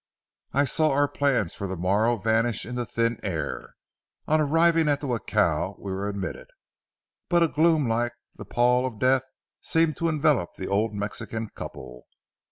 I saw our plans for the morrow vanish into thin air. On arriving at the jacal, we were admitted, but a gloom like the pall of death seemed to envelop the old Mexican couple.